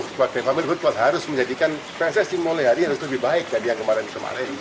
kalau pssi harus menjawab secara utuh pak pemir harus menjadikan pssi mulai hari harus lebih baik dari yang kemarin kemarin